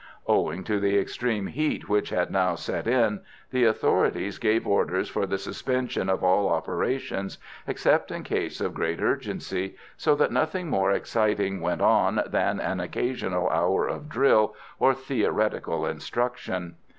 Owing to the extreme heat which had now set in, the authorities gave orders for the suspension of all operations, except in case of great urgency, so that nothing more exciting went on than an occasional hour of drill or theoretical instruction.